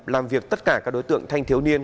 làm việc tất cả các đối tượng thanh thiếu niên